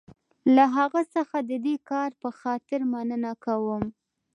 له هغه څخه د دې کار په خاطر مننه کوم.